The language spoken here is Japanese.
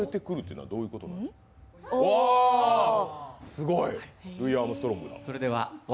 すごいルイ・アームストロングだ。